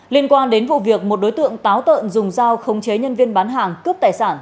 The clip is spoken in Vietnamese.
liên quan đến vụ việc một đối tượng táo tợn dùng dao khống chế nhân viên bán hàng cướp tài sản